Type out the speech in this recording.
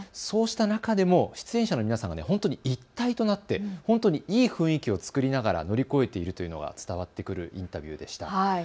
そうした中でも出演者の皆さんが一体となって本当にいい雰囲気を作りながら乗り越えているというのが伝わってくるインタビューでした。